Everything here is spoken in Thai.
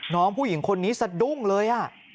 น้องผู้หญิงคนนี้สะดุ้งเลย